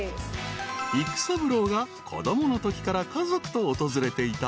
［育三郎が子供のときから家族と訪れていた］